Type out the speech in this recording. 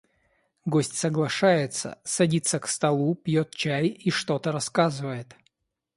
Гость соглашается, садится к столу, пьет чай и что-то рассказывает.